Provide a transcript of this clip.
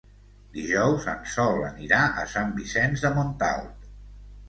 Dijous en Sol anirà a Sant Vicenç de Montalt.